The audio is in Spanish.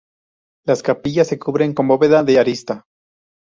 Las capillas se cubren con bóveda de arista.